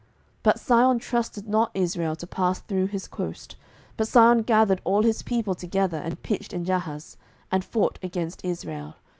07:011:020 But Sihon trusted not Israel to pass through his coast: but Sihon gathered all his people together, and pitched in Jahaz, and fought against Israel.